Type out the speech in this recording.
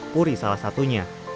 puri salah satunya